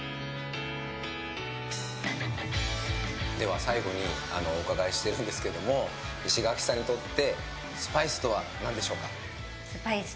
では最後にお伺いしてるんですけど石垣さんにとってスパイスとはなんでしょうか。